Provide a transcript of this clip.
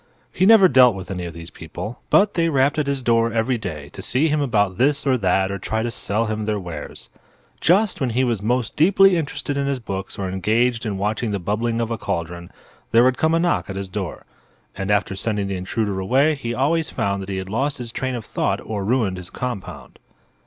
He never dealt with any of these people; but they rapped at his door every day to see him about this or that or to try to sell him their wares. Just when he was most deeply interested in his books or engaged in watching the bubbling of a cauldron there would come a knock at his door. And after sending the intruder away he always found he had lost his train of thought or ruined his compound.